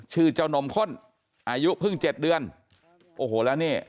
ชื่อเจ้านมข้นอายุเพิ่งเจ็ดเดือนโอ้โหแล้วนี่